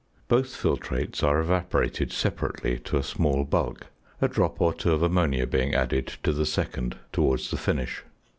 Both filtrates are evaporated separately to a small bulk, a drop or two of ammonia being added to the second towards the finish.